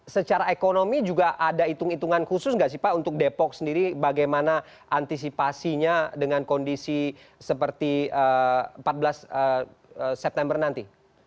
secara ekonomi juga ada hitung hitungan khusus nggak sih pak untuk depok sendiri bagaimana antisipasinya dengan kondisi seperti empat belas september nanti